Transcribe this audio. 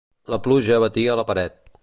La pluja batia la paret.